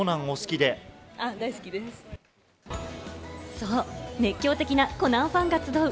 そう、熱狂的なコナンファンが集う